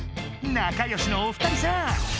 なかよしのお二人さん！